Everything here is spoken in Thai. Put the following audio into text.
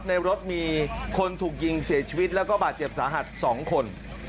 ในรถมีคนถูกยิงเสียชีวิตแล้วก็บาดเจ็บสาหัส๒คน